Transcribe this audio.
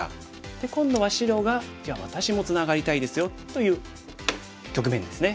で今度は白が「じゃあ私もツナがりたいですよ」という局面ですね。